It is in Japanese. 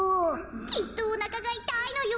きっとおなかがいたいのよ。